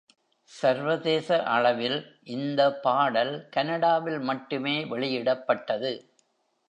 சர்வதேச அளவில், இந்த பாடல் கனடாவில் மட்டுமே வெளியிடப்பட்டது.